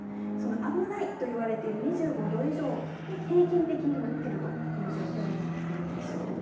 危ないと言われている２５度以上に平均的になっているという状況になっているんですよ。